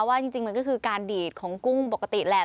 ว่าจริงมันก็คือการดีดของกุ้งปกติแหละ